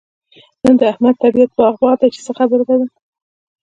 نن د احمد طبيعت باغ باغ دی؛ چې څه خبره ده؟